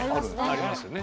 ありますね